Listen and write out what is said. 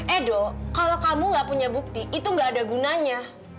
edo kalau kamu gak punya bukti itu gak ada gunanya